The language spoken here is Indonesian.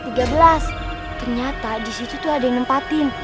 ternyata disitu tuh ada yang nempatin